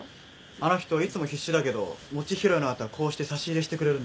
あの人いつも必死だけど餅拾いの後はこうして差し入れしてくれるんだ。